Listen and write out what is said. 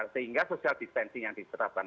sehingga social dispensing yang disetapkan